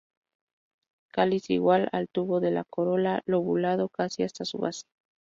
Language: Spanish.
Cáliz igual al tubo de la corola, lobulado casi hasta su base.